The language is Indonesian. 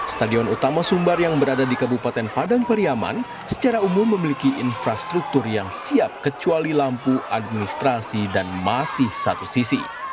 stadion utama sumbar yang berada di kabupaten padang pariaman secara umum memiliki infrastruktur yang siap kecuali lampu administrasi dan masih satu sisi